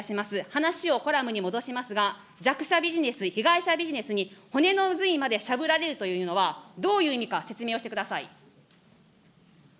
話をコラムに戻しますが、弱者ビジネス、被害者ビジネスに骨の髄までしゃぶられるというのはどういう意味か説明をしてください。